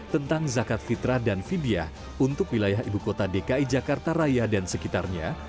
tentang zakat fitrah dan vibiyah untuk wilayah ibu kota dki jakarta raya dan sekitarnya